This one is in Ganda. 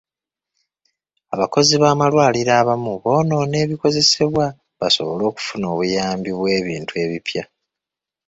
Abakozi b'amalwaliro abamu bonoona ebikozesebwa basobole okufuna obuyambi bw'ebintu ebipya.